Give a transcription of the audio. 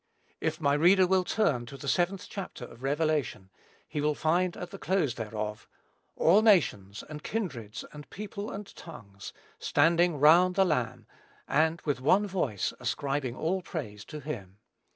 If my reader will turn to the seventh chapter of Revelation, he will find at the close thereof, "All nations, and kindreds, and people, and tongues," standing round the Lamb; and, with one voice, ascribing all praise to him.